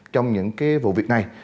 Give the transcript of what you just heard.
trong những vụ việc này